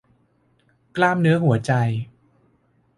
กล้ามเนื้อหัวใจ